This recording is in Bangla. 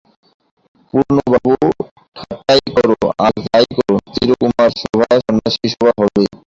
পূর্ণবাবু, ঠাট্টাই কর আর যাই কর, চিরকুমার-সভা সন্ন্যাসীসভা হবেই।